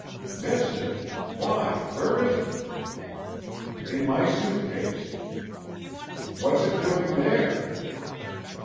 "Miss it? Why, where is it?" "In my suit case." "What's it doing there?"